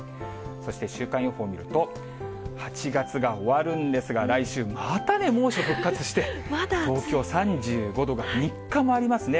そして、週間予報見ると、８月が終わるんですが、来週、またね、猛暑復活して、東京３５度が３日もありますね。